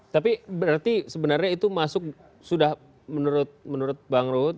tapi berarti sebenarnya itu masuk sudah menurut bang ruhut